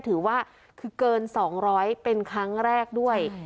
ถือว่าคือเกิน๒๐๐เป็นครั้งแรกด้วย